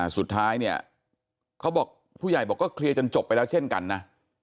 สุดท้ายเนี่ยเขาบอกผู้ใหญ่บอกก็เคลียร์จนจบไปแล้วเช่นกันนะ